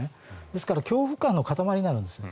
ですから恐怖感の塊になるんです。